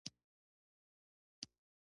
افغانستان د بزګان د ساتنې لپاره قوانین لري.